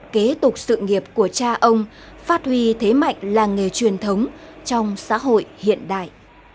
kế tục sự nghiệp của cha ông phát huy thế mạnh làng nghề truyền thống trong xã hội hiện đại